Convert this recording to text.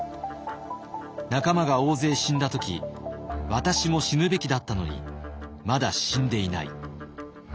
仲間が大勢死んだ時私も死ぬべきだったのにまだ死んでいない。